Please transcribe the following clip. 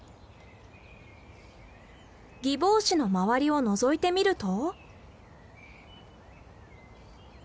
ギボウシの周りをのぞいてみると。